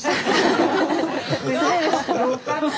よかった。